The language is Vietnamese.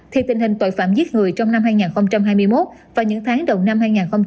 thì tình hình tội phạm giết người trong năm hai nghìn hai mươi một và những tháng đầu năm hai nghìn hai mươi bốn